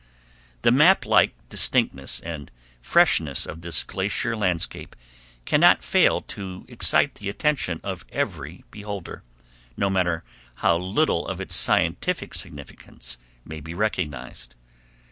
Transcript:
The map like distinctness and freshness of this glacial landscape cannot fail to excite the attention of every beholder, no matter how little of its scientific significance may be recognized.